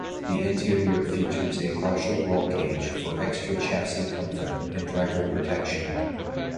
The interior features a partial roll cage for extra chassis comfort and driver protection.